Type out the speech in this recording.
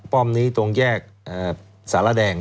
ป้อมนี้ตรงแยกสารแดง